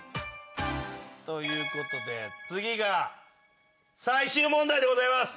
という事で次が最終問題でございます。